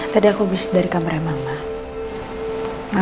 tadi aku buset dari kameranya mama